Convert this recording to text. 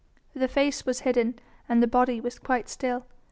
The face was hidden and the body was quite still.